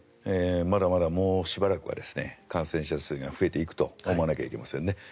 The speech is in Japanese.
まだまだもうしばらくは感染者数が増えていくと思わなくてはいけません。